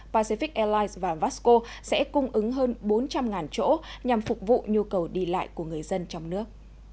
pacific airlines và vasco sẽ cung ứng hơn bốn trăm linh chỗ nhằm phục vụ nhu cầu đi lại của người dân trong nước